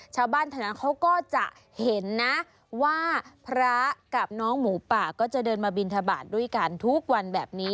ชาวบ้านแถวนั้นเขาก็จะเห็นนะว่าพระกับน้องหมูป่าก็จะเดินมาบินทบาทด้วยกันทุกวันแบบนี้